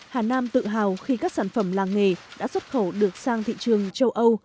hà nam tự hào khi các sản phẩm làng nghề đã xuất khẩu được sang thị trường châu âu